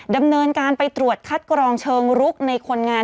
ดำเนินการไปตรวจคัดกรองเชิงรุกในคนงาน